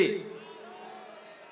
ini harus kita syukuri